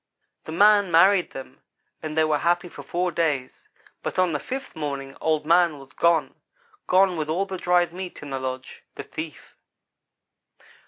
The man married them, and they were happy for four days, but on the fifth morning Old man was gone gone with all the dried meat in the lodge the thief.